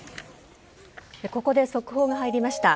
ここで速報が入りました。